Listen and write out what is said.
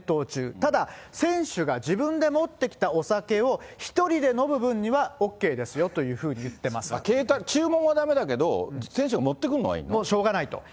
ただ、選手が自分で持ってきたお酒を１人で飲む分にはＯＫですよという注文はだめだけど、もう、しょうがないと。